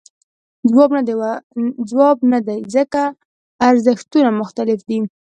ځواب نه دی ځکه ارزښتونه مختلف دي.